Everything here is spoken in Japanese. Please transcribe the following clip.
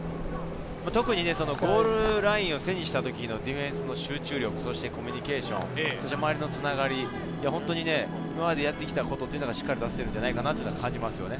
特にゴールラインを背にした時のディフェンスの集中力、そしてコミュニケーション、周りとの繋がり、本当に今までやってきたことがしっかり出せているんじゃないかなと感じます。